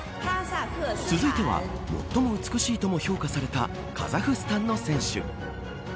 続いては最も美しいとも評価されたカザフスタンの選手。